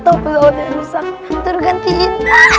satu peluang yang bisa tergantiin